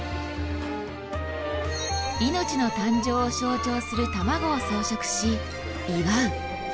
命の誕生を象徴する卵を装飾し祝う。